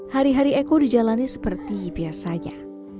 hari hari eko dijalani seperti biasanya